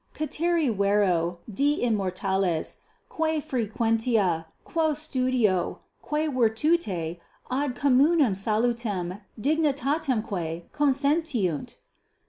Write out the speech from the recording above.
Ceteri vero, di immortales, qua frequentia, quo studio, qua virtute ad communem salutem dignitatemque consentiunt!